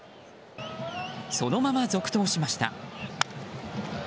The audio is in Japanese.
そのまま続投しました。